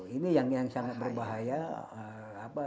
ini yang sangat berbahaya